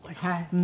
はい。